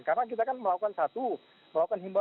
karena kita kan melakukan satu melakukan himbauan